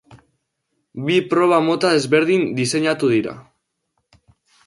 Bi proba mota desberdin diseinatu dira.